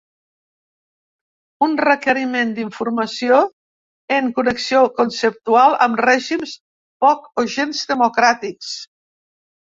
Un requeriment d’informació en connexió conceptual amb règims poc o gens democràtics.